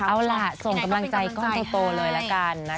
เอาล่ะส่งกำลังใจก้อนโตเลยละกันนะคะ